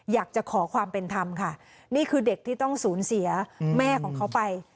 อยากจะขอความเป็นธรรมค่ะนี่คือเด็กที่ต้องสูญเสียแม่ของเขาไป